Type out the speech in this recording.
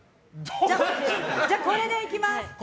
じゃあ、これでいきます。